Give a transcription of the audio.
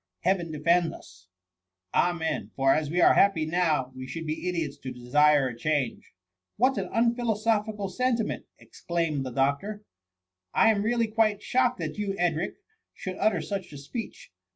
Heaven defend us !^ "Amen! For, as we are happy now, we should be idiots to desire a change.^' "What an unphilosophical sentiment T ex claimed the doctor :^^ I am really quite shocked that you, Edric, should utter such a speech.